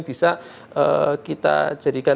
bisa kita jadikan